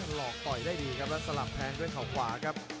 หลอกต่อยได้ดีครับแล้วสลับแทงด้วยเขาขวาครับ